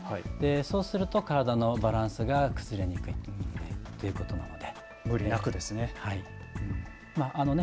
そうすると体のバランスが崩れにくいということなので無理なくですね。